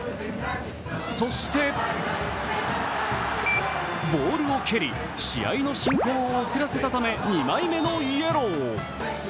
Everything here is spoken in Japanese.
そして、ボールを蹴り、試合の進行を遅らせたため２枚目のイエロー。